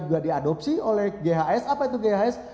juga diadopsi oleh ghs apa itu ghs